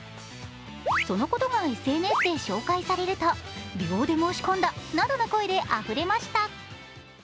そのことがＳＮＳで紹介されると秒で申し込んだなどの声であふれました。